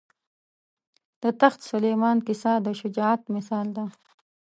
د تخت سلیمان کیسه د شجاعت مثال ده.